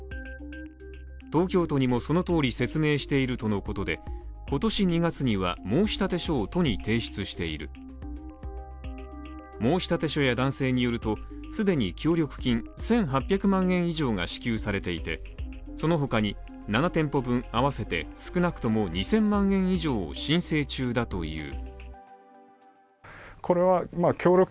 東京都にもその通り説明しているとのことで、今年２月には、申立書を都に提出している申立書や男性によると、既に協力金１８００万円以上が支給されていて、その他に７店舗分合わせて少なくとも２０００万円以上申請中だという。